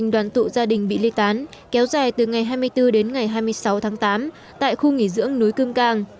đoàn tụ gia đình bị lây tán kéo dài từ ngày hai mươi bốn đến ngày hai mươi sáu tháng tám tại khu nghỉ dưỡng núi cương càng